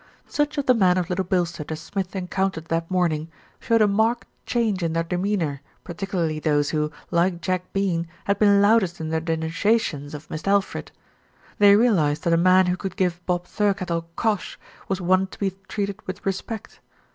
Such of the men of Little Bilstead as Smith en countered that morning showed a marked change in their demeanour, particularly those who, like Jack Bean, had been loudest in their denunciations of Mist' Alfred. They realised that a man who could give Bob Thirkettle "cosh" was one to be treated with respect.